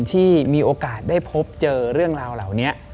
ที่มีโอกาสได้พบเจอเรื่องราวเหล่านี้